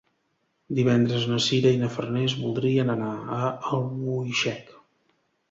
Divendres na Sira i na Farners voldrien anar a Albuixec.